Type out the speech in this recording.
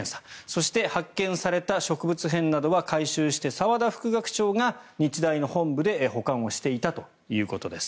そして、発見された植物片などは回収して、澤田副学長が日大の本部で保管していたということです。